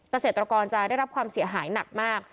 เกษตรกรจะได้รับความเสียหายหนักมาก